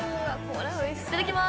いただきます。